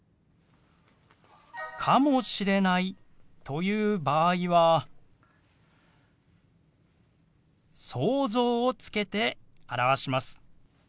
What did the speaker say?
「かもしれない」と言う場合は「想像」をつけて表します。